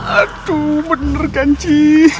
aduh bener kan ji